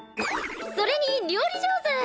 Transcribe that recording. それに料理上手。